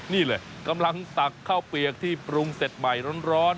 นี่เลยกำลังตักข้าวเปียกที่ปรุงเสร็จใหม่ร้อน